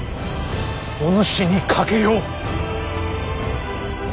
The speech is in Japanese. おぬしに賭けよう。